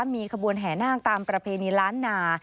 มีขบวนแห่นาคตามประเพณีล้านนา